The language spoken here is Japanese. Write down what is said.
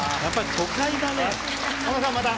都会だね。